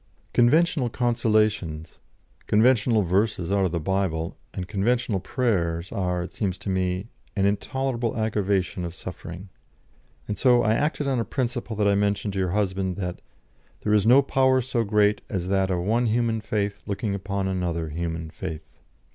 Conventional consolations, conventional verses out of the Bible, and conventional prayers are, it seems to me, an intolerable aggravation of suffering. And so I acted on a principle that I mentioned to your husband that 'there is no power so great as that of one human faith looking upon another human faith.'